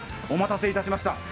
お待たせいたしました。